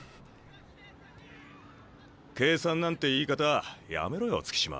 計算なんて言い方やめろよ月島。